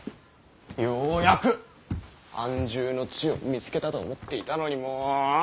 ようやく安住の地を見つけたと思っていたのにもう。